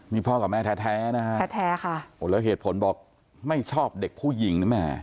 นี่พ่อกับแม่แท้แท้นะฮะแท้ค่ะโอ้แล้วเหตุผลบอกไม่ชอบเด็กผู้หญิงนะแม่